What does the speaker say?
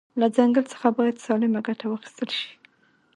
له ځنګل ځخه باید سالمه ګټه واخیستل شي